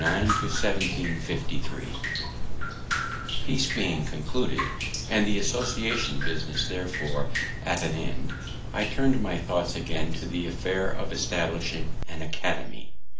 XIII PUBLIC SERVICES AND DUTIES (1749 1753) Peace being concluded, and the association business therefore at an end, I turn'd my thoughts again to the affair of establishing an academy.